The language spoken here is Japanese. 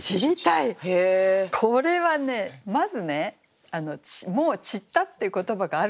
これはねまずねもう「散った」っていう言葉があるでしょう？